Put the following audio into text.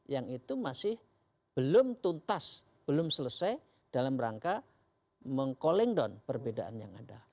yang itu masih belum tuntas belum selesai dalam rangka meng calling down perbedaan yang ada